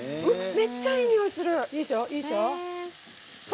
めっちゃ、いい匂いする！